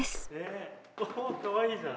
かわいいじゃん。